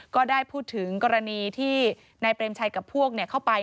ก็ได้พูดถึงกรณีที่นายเปรมชัยกับพวกเข้าไป